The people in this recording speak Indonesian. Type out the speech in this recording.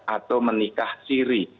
atau menikah siri